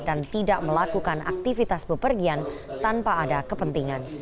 dan tidak melakukan aktivitas pepergian tanpa ada kepentingan